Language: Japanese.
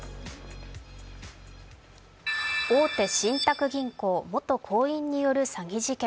大手信託銀行元行員による詐欺事件。